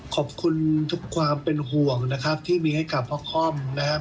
ขอบคุณทุกความเป็นห่วงนะครับที่มีให้กับพ่อค่อมนะครับ